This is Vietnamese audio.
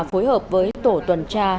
phối hợp với tổ tuần tra